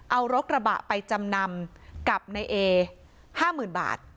เอารกระบะไปจำนำกับในเอห้าหมื่นบาท